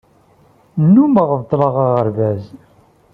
Nnummeɣ beṭṭleɣ aɣerbaz.